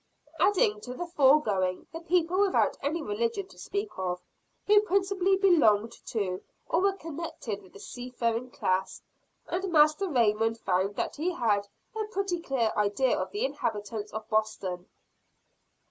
Adding to the foregoing the people without any religion to speak of, who principally belonged to or were connected with the seafaring class, and Master Raymond found that he had a pretty clear idea of the inhabitants of Boston.